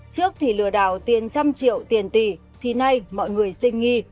trước thì lừa đảo tiền trăm triệu tiền tỷ thì nay mọi người sinh nghi